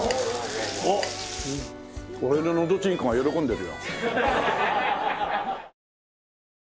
俺ののどちんこが喜んでるよ。